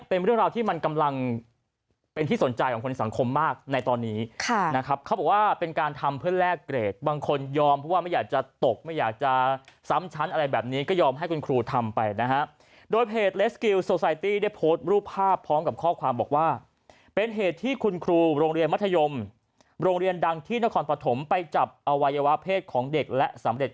เป็นเรื่องราวที่มันกำลังเป็นที่สนใจของคนในสังคมมากในตอนนี้ครับเขาบอกว่าเป็นการทำเพื่อนแล่กเกรดบางคนยอมว่าไม่อยากจะตกไม่อยากจะซ้ำชั้นอะไรแบบนี้ก็ยอมให้คุณครูทำไปด้วยเพจ